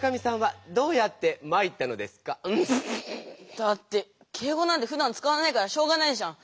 だって敬語なんてふだん使わないからしょうがないじゃん！